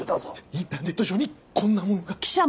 インターネット上にこんなものが。